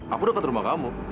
aku dekat rumah kamu